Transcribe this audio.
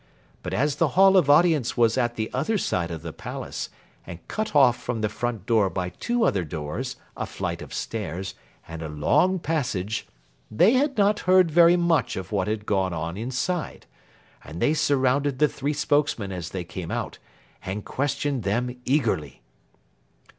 But as the Hall of Audience was at the other side of the Palace, and cut off from the front door by two other doors, a flight of stairs, and a long passage, they had not heard very much of what had gone on inside, and they surrounded the three spokesmen as they came out, and questioned them eagerly.